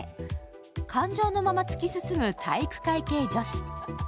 感情のまま突き進む体育会系女子。